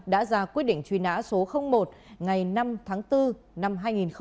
đã ra quyết định truy nã số một ngày năm tháng bốn năm hai nghìn một mươi